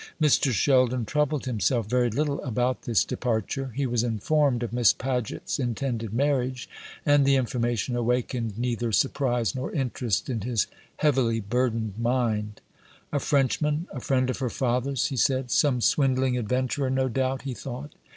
Mr. Sheldon troubled himself very little about this departure. He was informed of Miss Paget's intended marriage; and the information awakened neither surprise nor interest in his heavily burdened mind. "A Frenchman, a friend of her father's!" he said; "some swindling adventurer, no doubt," he thought.